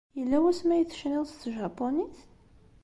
Yella wasmi ay tecniḍ s tjapunit?